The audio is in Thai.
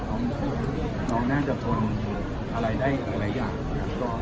น้องน่าจะพออะไรอย่าง